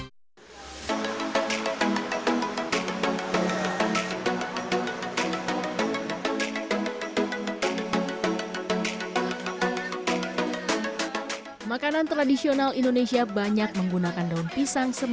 banyak menggunakan makanan tradisional indonesia banyak menggunakan makanan tradisional indonesia